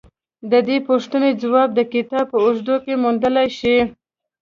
د دې پوښتنې ځواب د کتاب په اوږدو کې موندلای شئ